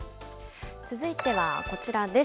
続いてはこちらです。